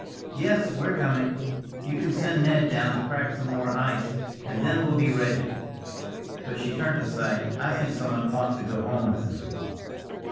"Yes! we're coming. You can send Ned down now to crack some more ice, and then we'll be ready." But she turned to say, "I think someone ought to go home with him."